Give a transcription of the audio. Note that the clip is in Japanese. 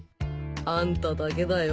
あんただけだよ